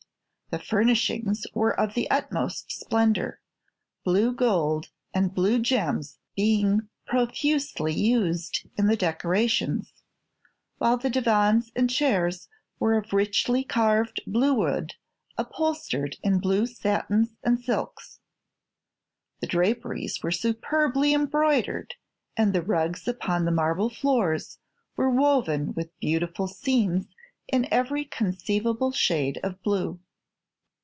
The furnishings were of the utmost splendor, blue gold and blue gems being profusely used in the decorations, while the divans and chairs were of richly carved bluewood upholstered in blue satins and silks. The draperies were superbly embroidered and the rugs upon the marble floors were woven with beautiful scenes in every conceivable shade of blue.